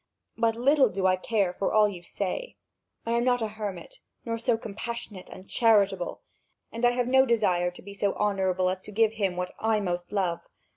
But little do I care for all you say. I am not a hermit, nor so compassionate and charitable, and I have no desire to be so honourable as to give him what I most love.